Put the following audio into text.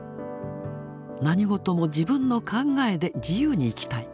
何事も自分の考えで自由に生きたい。